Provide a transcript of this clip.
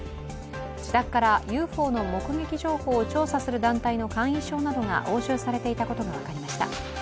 自宅からＵＦＯの目撃情報を調査する団体の会員証などが押収されていたことが分かりました。